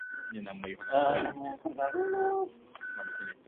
The most common mohawk turn is the forward inside open mohawk.